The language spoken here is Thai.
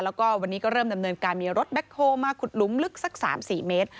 แล้วก็วันนี้ก็เริ่มดำเนินการมีรถแบ็คโฮลมาขุดหลุมลึกสัก๓๔เมตร